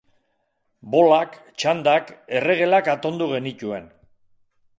Bolak, txandak, erregelak atondu genituen.